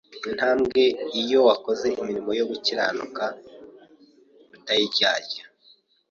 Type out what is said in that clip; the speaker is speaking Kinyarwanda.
intambwe iyo wakoze imirimo yo gukiranuka utayiryarya,